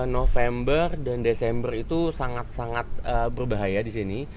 november dan desember itu sangat sangat berbahaya di sini